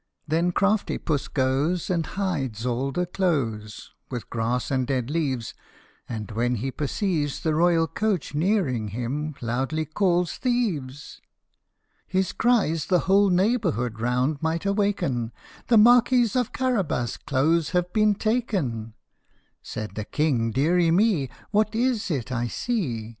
" Then crafty Puss goes And hides all the clothes With grass and dead leaves ; and when he perceives The royal coach nearing him, loudly calls " Thieves !" His cries the whole neighbourhood round might awaken " The Marquis of Carabas' clothes have been taken !" Said the King, " Deary me ! What is it I see ?